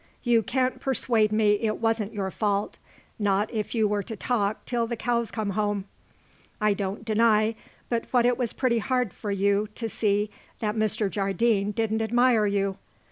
You can't persuade me it wasn't your fault, not if you were to talk till the cows come home. I don't deny but what it was pretty hard for you to see that Mr. Jardine didn't admire you.